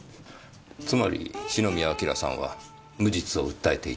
つまり篠宮彬さんは無実を訴えていた。